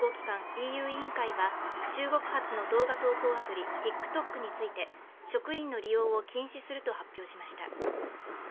ＥＵ委員会は中国発の動画アプリＴｉｋＴｏｋについて職員の利用を禁止すると発表しました。